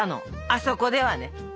あそこでは？